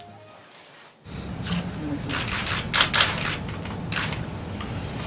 お願いします。